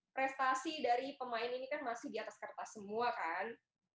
prestasi dari pemain ini kan masih di atas kertas semua kan